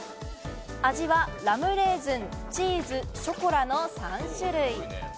味はラムレーズン、チーズ、ショコラの３種類。